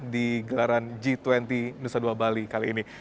di gelaran g dua puluh nusa dua bali kali ini